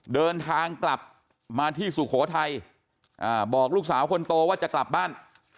เดินทางกลับมาที่สุโขทัยบอกลูกสาวคนโตว่าจะกลับบ้าน